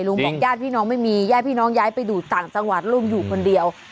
ลุงบอกย่าพี่น้องไม่มีย่าพี่น้องย้ายไปดูต่างจังหวัดลุงอยู่คนเดียว